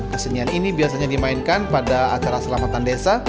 kesenian ini biasanya dimainkan pada acara selamatan desa